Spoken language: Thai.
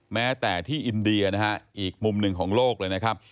แม้แต่ที่อินเดียนะฮะอีกมุมหนึ่งของโลกเลยนะครับ